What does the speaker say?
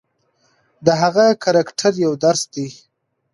د هغه کرکټر یو درس دی.